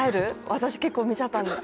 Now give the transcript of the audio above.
私、結構見ちゃったんです。